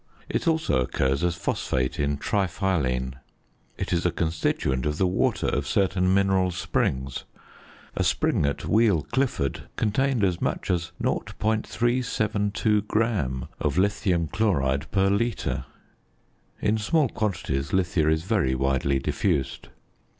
It also occurs as phosphate in triphyline. It is a constituent of the water of certain mineral springs. A spring at Wheal Clifford contained as much as 0.372 gram of lithium chloride per litre. In small quantities, lithia is very widely diffused.